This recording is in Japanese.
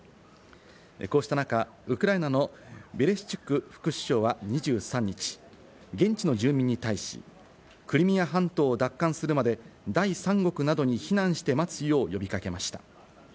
こうした中、ウクライナのベレシチュク副首相は２３日、現地の住民に対し、クリミア半島を奪還するまで第三国などに避難して待つよう呼び掛けました。